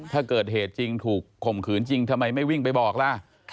ถ้าเกิดเหตุจริงถูกข่มขืนจริงทำไมไม่วิ่งไปบอกล่ะ